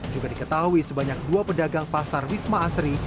juga diketahui sebanyak dua pedagang pasar wisma asri